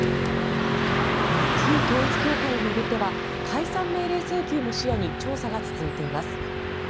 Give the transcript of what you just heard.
この旧統一教会を巡っては解散命令請求も視野に調査が続いています。